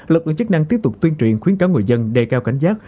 lập lượng chức năng tiếp tục tuyên truyện khuyến cáo người dân đề cao cảnh giác